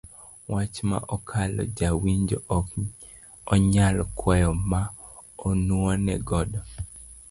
Wach ma okalo ja winjo ok onyal kwayo ma nuone godo.